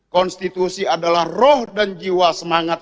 konstitusi adalah roh dan jiwa semangat